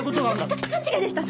かっ勘違いでした！